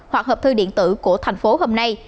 hoặc hợp thư điện tử của thành phố hôm nay